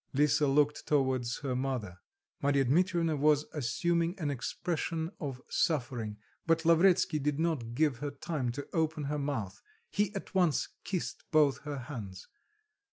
Lisa looked towards her mother; Marya Dmitrievna was assuming an expression of suffering; but Lavretsky did not give her time to open her mouth; he at once kissed both her hands.